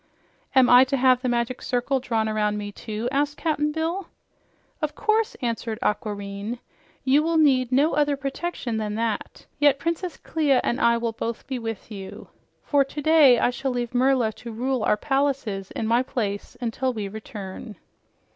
"Am I to have the Magic Circle drawn around me, too?" asked Cap'n Bill. "Of course," answered Aquareine. "You will need no other protection than that, yet both Princess Clia and I will both be with you. For today I shall leave Merla to rule our palaces in my place until we return."